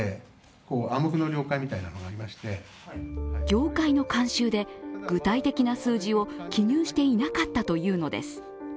業界の慣習で、具体的な数字を記入していなかったというのです。